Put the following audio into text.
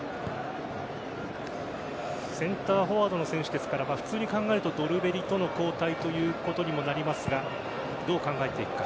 センターフォワードの選手ですから普通に考えるとドルベリとの交代ということにもなりますがどう考えていくか。